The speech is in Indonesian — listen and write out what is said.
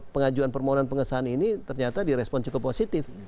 pengajuan permohonan pengesahan ini ternyata di respon cukup positif